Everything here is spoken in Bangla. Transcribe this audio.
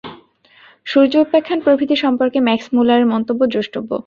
সূর্য-উপাখ্যান প্রভৃতি সম্পর্কে ম্যাক্সমূলারের মন্তব্য দ্রষ্টব্য।